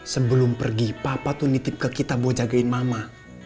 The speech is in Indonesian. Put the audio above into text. sebelum pergi papa tuh nitip ke kita buat jagain mama